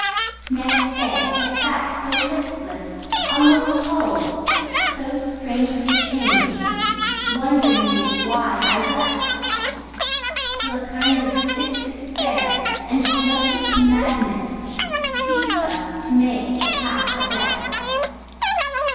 Next day he sat so listless, almost cold So strangely changed, wondering why I wept, Till a kind of sick despair and voluptuous madness Seized us to make the pact of death.